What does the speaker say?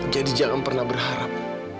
jadi jangan pernah berharap